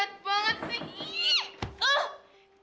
papi jahat banget sih